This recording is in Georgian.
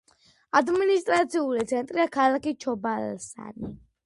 ადმინისტრაციული ცენტრია ქალაქი ჩოიბალსანი.